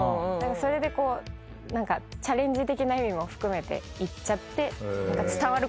それでこう何かチャレンジ的な意味も含めて行っちゃって。